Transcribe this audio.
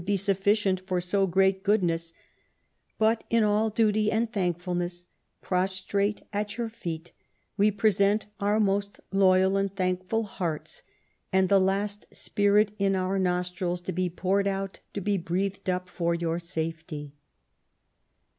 295 be sufficient for so great goodness, " but in all duty and thankfulness, prostrate at your feet, we present our most loyal and thankful hearts, and the last spirit in our nostrils, to be poured out, to be breathed up, for your safety